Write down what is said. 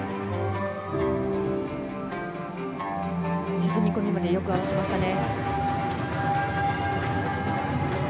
沈み込みまでよく合わせましたね。